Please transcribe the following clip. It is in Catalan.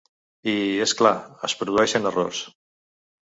I, és clar, es produeixen errors.